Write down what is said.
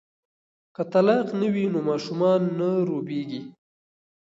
که طلاق نه وي نو ماشوم نه روبیږي.